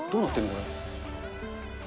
これ。